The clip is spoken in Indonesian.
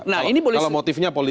kalau motifnya politik